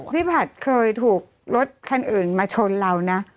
พี่ภัทธ์เคยถูกรถคนอื่นมาชนเรา